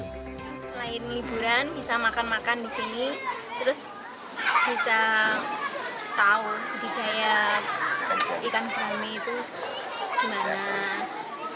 selain liburan bisa makan makan di sini terus bisa tahu budidaya untuk ikan brawi itu gimana